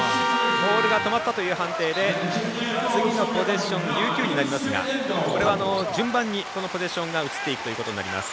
ボールが止まったという判定で次のポゼッション琉球になりますがこれは順番にこのポゼッションが移っていくということになります。